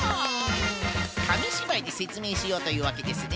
かみしばいでせつめいしようというわけですね。